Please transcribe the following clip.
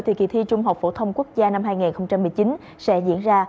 thì kỳ thi trung học phổ thông quốc gia năm hai nghìn một mươi chín sẽ diễn ra